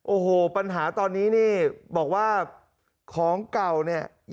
โอ้โหปัญหาตอนนี้นี่บอกว่าของเก่าเนี่ย